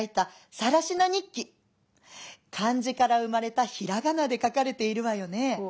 漢字から生まれた平仮名で書かれているわよね」。